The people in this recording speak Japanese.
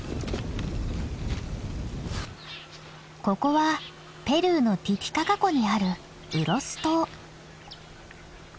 ここはペルーのティティカカ湖にあるウロス島。